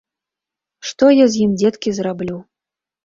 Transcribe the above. Што я з ім, дзеткі, зраблю?